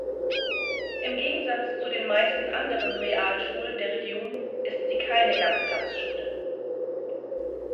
Im Gegensatz zu den meisten anderen Realschulen der Region ist sie keine Ganztagsschule.